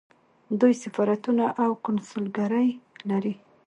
دوی سفارتونه او کونسلګرۍ لري.